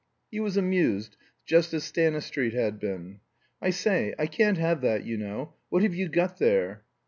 He was amused, just as Stanistreet had been. "I say, I can't have that, you know. What have you got there?"